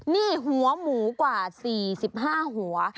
นี่หัวหมูกว่า๔๕หัว